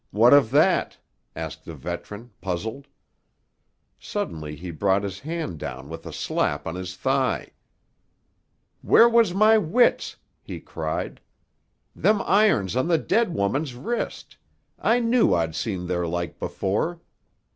What of that?" asked the veteran, puzzled. Suddenly he brought his hand down with a slap on his thigh. "Where was my wits?" he cried. "Them irons on the dead woman's wrist—I knew I'd seen their like before!